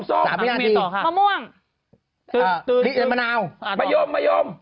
สามอย่างทีมะม่วงนี่เป็นมะนาวมะย่อม